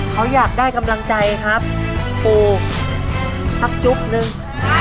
เขาอยากได้กำลังใจครับปูสักจุ๊บนึง